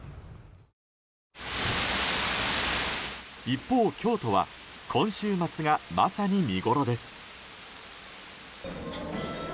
一方、京都は今週末がまさに見ごろです。